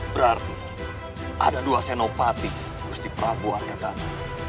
berarti ada dua senopati gusti prabu arkadama